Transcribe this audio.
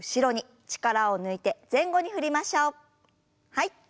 はい。